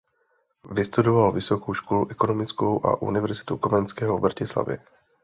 Vystudoval Vysokou školu ekonomickou a Univerzitu Komenského v Bratislavě.